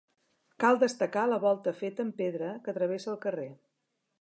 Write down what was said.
Cal destacar la volta feta amb pedra, que travessa el carrer.